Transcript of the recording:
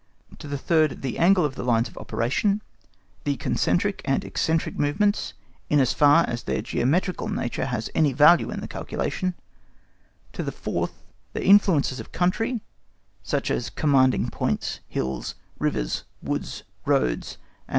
to the third, the angle of the lines of operation, the concentric and eccentric movements in as far as their geometrical nature has any value in the calculation; to the fourth, the influences of country, such as commanding points, hills, rivers, woods, roads, &c.